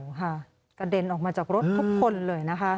ค่ะกระเด็นออกมาจากรถทุกคนเลยนะคะ